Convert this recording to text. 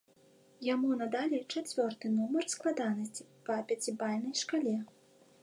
Яму надалі чацвёрты нумар складанасці па пяцібальнай шкале.